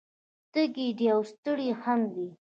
تږی دی او ستړی هم دی